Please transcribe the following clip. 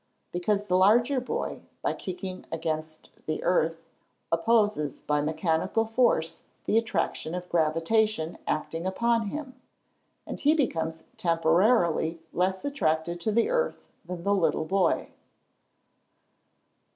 _ Because the larger boy, by kicking against the earth, opposes by mechanical force the attraction of gravitation acting upon him, and he becomes temporarily less attracted to the earth than the little boy.